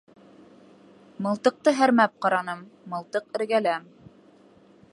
Мылтыҡты һәрмәп ҡараным, мылтыҡ эргәлә.